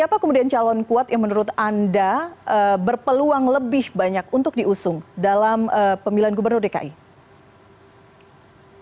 apa kemudian calon kuat yang menurut anda berpeluang lebih banyak untuk diusung dalam pemilihan gubernur dki